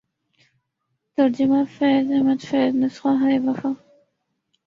ترجمہ فیض احمد فیض نسخہ ہائے وفا